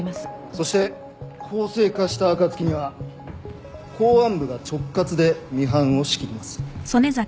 そして法制化した暁には公安部が直轄でミハンを仕切ります。